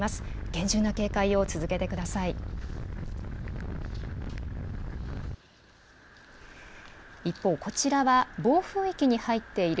厳重な警戒を続けてください。